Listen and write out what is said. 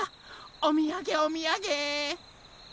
おみやげおみやげ！